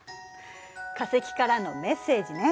化石からのメッセージね。